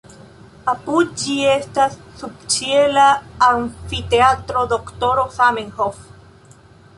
Apud ĝi estas subĉiela amfiteatro Doktoro Zamenhof.